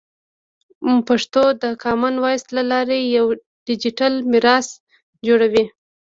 پښتو د کامن وایس له لارې یوه ډیجیټل میراث جوړوي.